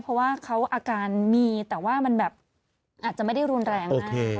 เพราะว่าเขาอาการมีแต่ว่ามันแบบอาจจะไม่ได้รุนแรงมาก